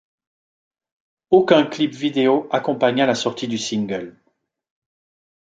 Aucun clip vidéo accompagna la sortie du single.